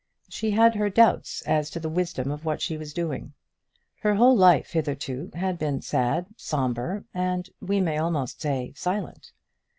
She had her doubts as to the wisdom of what she was doing. Her whole life, hitherto, had been sad, sombre, and, we may almost say, silent.